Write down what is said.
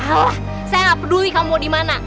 alah saya gak peduli kamu mau dimana